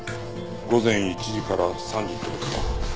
午前１時から３時って事か。